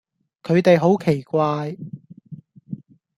佢哋好奇怪